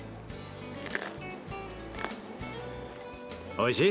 おいしい？